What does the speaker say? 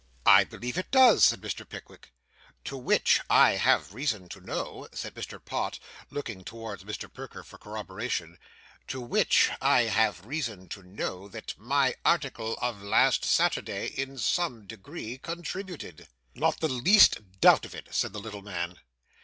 'I believe it does,' said Mr. Pickwick. 'To which I have reason to know,' said Pott, looking towards Mr. Perker for corroboration 'to which I have reason to know that my article of last Saturday in some degree contributed.' 'Not the least doubt of it,' said the little man.